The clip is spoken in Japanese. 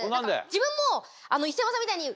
自分も磯山さんみたいに。